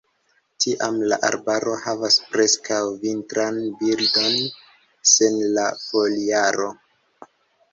Tiam la arbaro havas preskaŭ vintran bildon sen la foliaro.